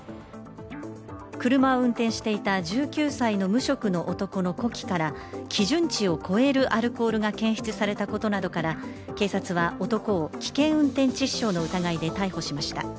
車を運転していた１９歳の無職の男の呼気から基準値を超えるアルコールが検出されたことなどから警察は男を危険運転致死傷の疑いで逮捕しました。